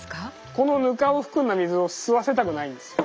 この糠を含んだ水を吸わせたくないんです。